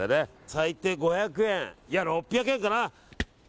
最低５００円いや６００円かな？